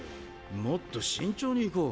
もっと慎重に行こう。